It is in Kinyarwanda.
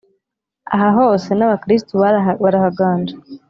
aha hose n’abakristu barahaganje,